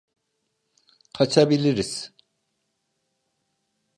Kaçabiliriz.